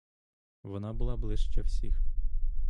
Вона була ближче всіх.